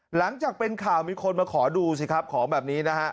หลังจากเป็นข่าวมีคนมาขอดูสิครับของแบบนี้นะฮะ